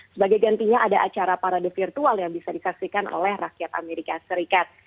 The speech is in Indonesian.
sebagai gantinya ada acara parade virtual yang bisa disaksikan oleh rakyat amerika serikat